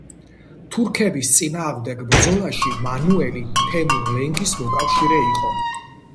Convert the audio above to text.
თურქების წინააღმდეგ ბრძოლაში მანუელი თემურ-ლენგის მოკავშირე იყო.